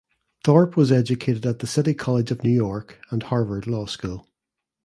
Thorpe was educated at the City College of New York and Harvard Law School.